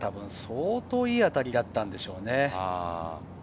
相当いい当たりだったのでしょうね。